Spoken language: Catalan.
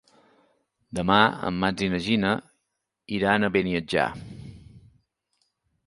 Demà en Max i na Gina iran a Beniatjar.